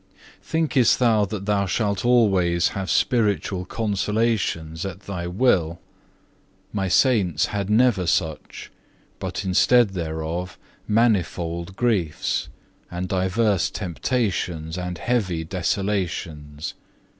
3. "Thinkest thou that thou shalt always have spiritual consolations at thy will? My Saints had never such, but instead thereof manifold griefs, and divers temptations, and heavy desolations.